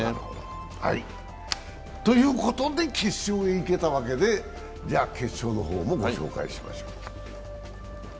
ということで決勝へ行けたわけで、決勝の方もご紹介しましょう。